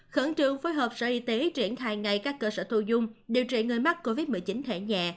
khẩn trương phối hợp sở y tế triển khai ngay các cơ sở thu dung điều trị người mắc covid một mươi chín thẻ nhẹ